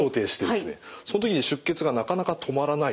その時に出血がなかなか止まらない。